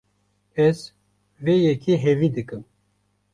Ez vê yekê hêvî dikim.